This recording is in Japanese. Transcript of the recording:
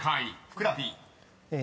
ふくらＰ］